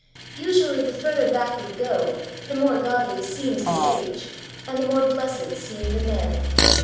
Usually the further back we go, the more godly seems the age, and the more blessed seem the men.